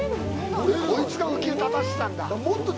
こいつが浮きを立たせてたんだ。